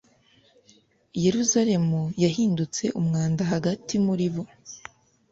Yeruzalemu yahindutse umwanda rwagati muri bo.